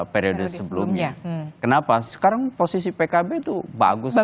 periode sebelumnya kenapa sekarang posisi pkb itu bagus